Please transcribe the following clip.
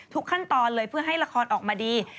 ขั้นตอนเลยเพื่อให้ละครออกมาดี